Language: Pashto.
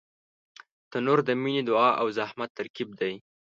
تنور د مینې، دعا او زحمت ترکیب دی